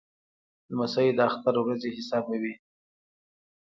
لمسی د اختر ورځې حسابوي.